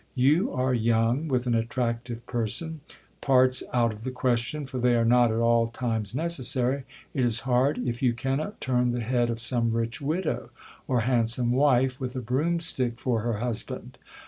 You are young, with an attractive person : parts out of the question, for they are not at all times necessary, it is hard if you cannot turn the head of some rich widow, or handsome wife with a broomstick for her husband.